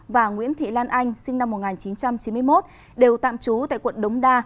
và nguyễn thị lan anh sinh năm một nghìn chín trăm chín mươi một đều tạm trú tại quận đống đa